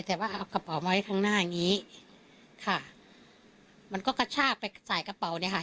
แต่ว่าเอากระเป๋ามาไว้ข้างหน้าอย่างงี้ค่ะมันก็กระชากไปใส่กระเป๋าเนี่ยค่ะ